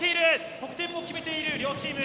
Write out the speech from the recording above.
得点も決めている両チーム。